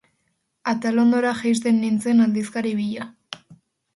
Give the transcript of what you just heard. Atalondora jaisten nintzen aldizkari bila.